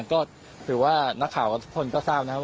ก็ถือว่านักข่าวทุกคนก็ทราบนะครับ